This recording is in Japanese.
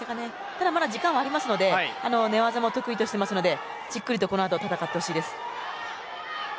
まだまだ時間はあるので寝技も得意としているのでじっくりとこの後戦ってほしいです。